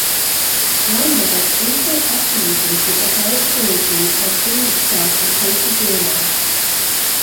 Weinberg also estimated that the heritability of twinning itself was close to zero.